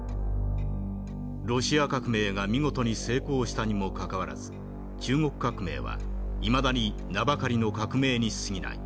「ロシア革命が見事に成功したにもかかわらず中国革命はいまだに名ばかりの革命にすぎない。